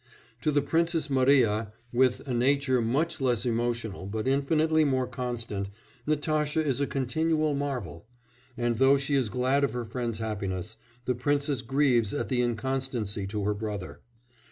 To the Princess Mariya, with a nature much less emotional but infinitely more constant, Natasha is a continual marvel, and, though she is glad of her friend's happiness, the Princess grieves at the inconstancy to her brother.